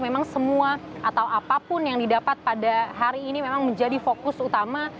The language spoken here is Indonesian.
memang semua atau apapun yang didapat pada hari ini memang menjadi fokus utama